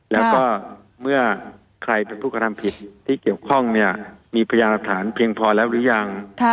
แล้วก็เมื่อใครเป็นผู้กระทำผิดที่เกี่ยวข้องเนี่ยมีพยานหลักฐานเพียงพอแล้วหรือยัง